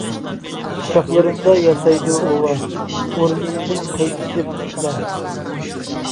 شاخلىرىڭدا ياسايدۇ ئۇۋا، ئورمىنىدىن قايتىشىپ قۇشلار.